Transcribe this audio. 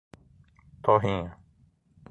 Torrinha